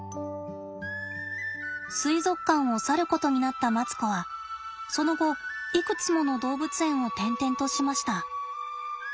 水族館を去ることになったマツコはその後いくつもの動物園を転々としました。